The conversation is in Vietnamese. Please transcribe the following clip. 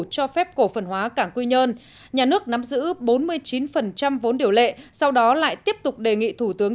cho phép cổ phần hóa cảng quy nhơn nhà nước nắm giữ bốn mươi chín vốn điều lệ sau đó lại tiếp tục đề nghị thủ tướng